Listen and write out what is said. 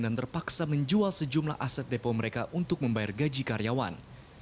dan terpaksa menjual sejumlah aset depo mereka untuk membayar gaji karyawan